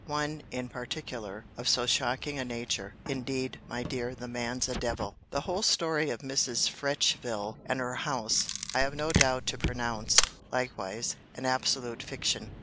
One, in particular, of so shocking a nature!—Indeed, my dear, the man's a devil. The whole story of Mrs. Fretchville, and her house, I have no doubt to pronounce, likewise, an absolute fiction.